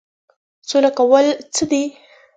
سوله کول څه دي؟